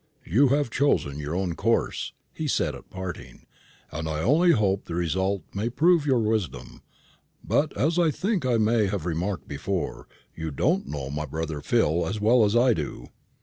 "You have chosen your own course," he said at parting, "and I only hope the result may prove your wisdom. But, as I think I may have remarked before, you don't know my brother Phil as well as I do."